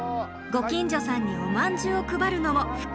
ご近所さんにおまんじゅうを配るのも福井スタイル。